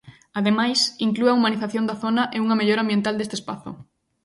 Ademais, inclúe a humanización da zona e unha mellora ambiental deste espazo.